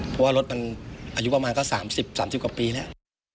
เพราะว่ารถมันอายุประมาณก็๓๐๓๐กว่าปีแล้ว